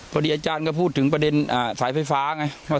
อาจารย์ก็พูดถึงประเด็นสายไฟฟ้าไง